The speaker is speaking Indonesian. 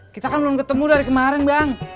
kita kan belum ketemu dari kemarin bang